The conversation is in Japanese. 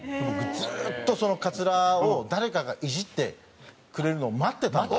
「ずーっとそのカツラを誰かがイジってくれるのを待ってたんだ」。